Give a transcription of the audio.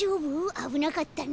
あぶなかったね。